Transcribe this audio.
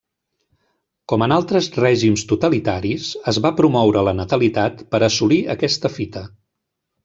Com en altres règims totalitaris, es va promoure la natalitat per assolir aquesta fita.